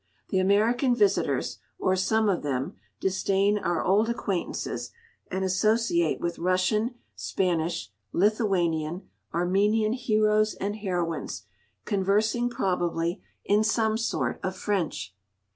The American visitors, or some of them, disdain our old acquaintances, and associate with Russian, Spanish, Lithuanian, Armenian heroes and heroines, conversing, probably, in some sort of French.